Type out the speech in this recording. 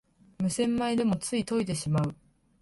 無洗米でもつい研いでしまう